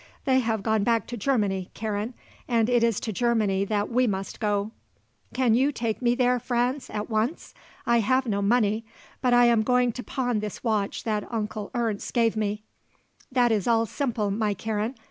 They have gone back to Germany, Karen, and it is to Germany that we must go." "Can you take me there, Franz, at once? I have no money; but I am going to pawn this watch that Onkel Ernst gave me." "That is all simple, my Karen.